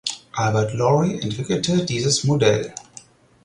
Albert Lory entwickelte dieses Modell.